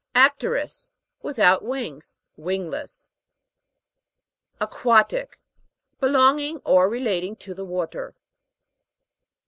AP'TEROUS. Without wings ; wing less. AQUA'TIC. Belonging or relating to the water.